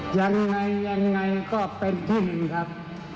อย่างไรยังไงก็เป็นที่หนึ่งครับ